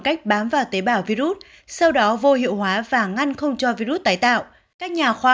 cách bám vào tế bào virus sau đó vô hiệu hóa và ngăn không cho virus tái tạo các nhà khoa